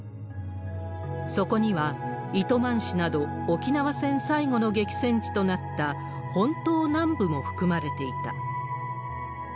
そこには、糸満市など沖縄戦最後の激戦地となった本島南部も含まれていた。